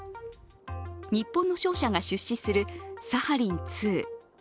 日本の商社が出資するサハリン２。